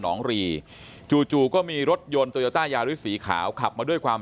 องรีจู่ก็มีรถยนต์โตโยต้ายาริสสีขาวขับมาด้วยความ